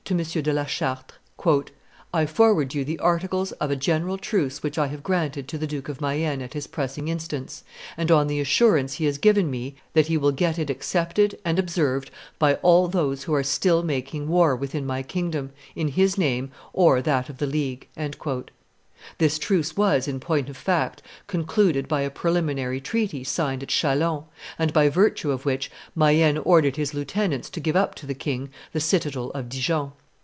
de la Chatre: "I forward you the articles of a general truce which I have granted to the Duke of Mayenne at his pressing instance, and on the assurance he has given me that he will get it accepted and observed by all those who are still making war within my kingdom, in his name or that of the League." This truce was, in point of fact, concluded by a preliminary treaty signed at Chalons, and by virtue of which Mayenne ordered his lieutenants to give up to the king the citadel of Dijon.